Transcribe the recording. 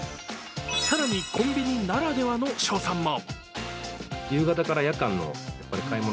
更に、コンビニならではの勝算も。